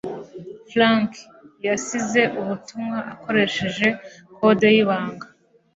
Frank yasize ubutumwa akoresheje kode y'ibanga.